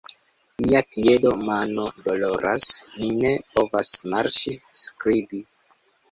Mia piedo mano doloras, mi ne povas marŝi skribi.